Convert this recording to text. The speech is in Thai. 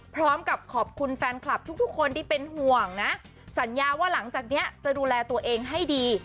พร้อมกับขอบคุณแฟนคลับทุกคนที่เป็นห่วงนะสัญญาว่าหลังจากนี้จะดูแลตัวเองให้ดี